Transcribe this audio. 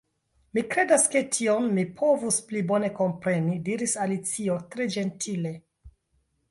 "Mi kredas ke tion_ mi povus pli bone kompreni," diris Alicio tre ĝentile. "